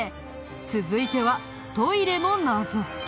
続いてはトイレの謎。